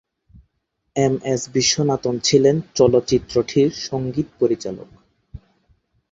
M S Viswanathan ছিলেন চলচ্চিত্রটির সঙ্গীত পরিচালক।